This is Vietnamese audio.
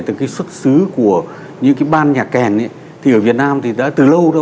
từ cái xuất xứ của những cái ban nhạc kèn thì ở việt nam thì đã từ lâu đó